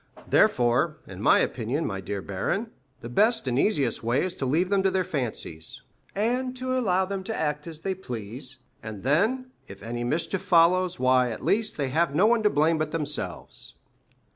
Therefore, in my opinion, my dear baron, the best and easiest way is to leave them to their fancies, and allow them to act as they please, and then, if any mischief follows, why, at least, they have no one to blame but themselves."